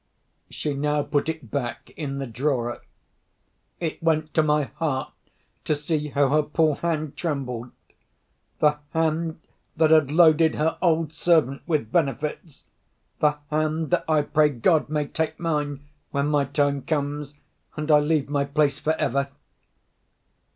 She now put it back in the drawer. It went to my heart to see how her poor hand trembled—the hand that had loaded her old servant with benefits; the hand that, I pray God, may take mine, when my time comes, and I leave my place for ever!